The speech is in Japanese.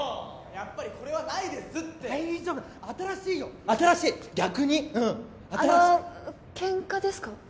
やっぱりこれはないですって大丈夫新しいよ新しい逆にあのケンカですか？